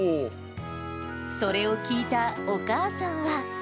それを聞いたお母さんは。